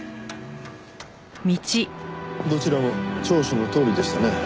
どちらも調書のとおりでしたね。